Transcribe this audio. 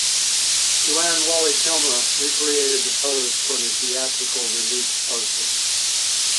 Joanne Whalley-Kilmer recreated the pose for the theatrical release poster.